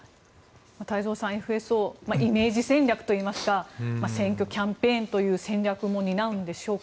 太蔵さん、ＦＳＯはイメージ戦略といいますか選挙キャンペーンという役割も担うんでしょうか。